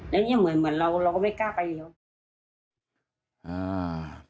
แล้วนี้เหมือนเราก็ไม่กล้าไปอย่างนี้